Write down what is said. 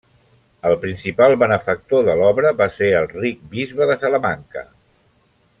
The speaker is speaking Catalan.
El principal benefactor de l'obra va ser el ric bisbe de Salamanca.